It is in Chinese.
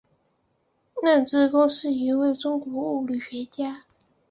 任之恭是一位中国物理学家。